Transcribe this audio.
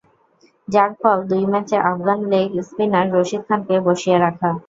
যার ফল, দুই ম্যাচে আফগান লেগ স্পিনার রশিদ খানকে বসিয়ে রাখা।